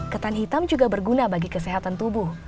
ketan hitam juga berguna bagi kesehatan tubuh